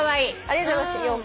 ありがとうございます。